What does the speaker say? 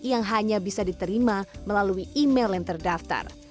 yang hanya bisa diterima melalui email yang terdaftar